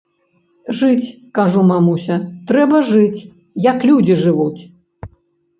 Жыць, кажу, мамуся, трэба, жыць, як людзі жывуць.